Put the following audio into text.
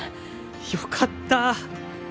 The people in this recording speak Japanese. よかった。